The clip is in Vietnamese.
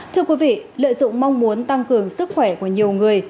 thưa quý vị lợi dụng mong muốn tăng cường sức khỏe của nhiều người